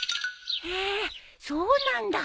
へえそうなんだ。